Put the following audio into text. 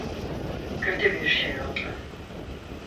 Kötü bir şey oldu.